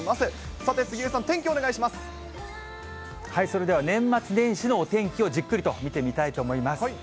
さて、杉江さん、それでは年末年始のお天気をじっくりと見てみたいと思います。